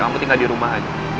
aku tinggal di rumah aja